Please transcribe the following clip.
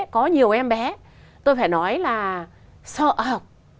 có nhiều em bé tôi phải nói là sợ học